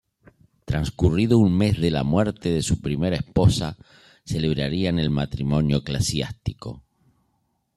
Transcurrido un mes de la muerte de su primera esposa, celebrarían el matrimonio eclesiástico.